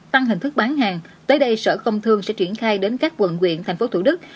tăng hình thức bán hàng tới đây sở công thương sẽ chuyển khai đến các quận quyện thành phố thủ đức